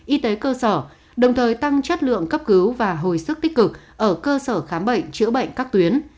y tế cơ sở đồng thời tăng chất lượng cấp cứu và hồi sức tích cực ở cơ sở khám bệnh chữa bệnh các tuyến